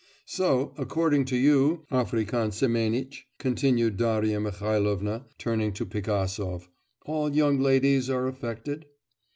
'So, according to you, African Semenitch,' continued Darya Mihailovna, turning to Pigasov, 'all young ladies are affected?